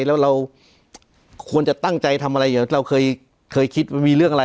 แล้วเราควรจะตั้งใจทำอะไรเราเคยคิดว่ามีเรื่องอะไร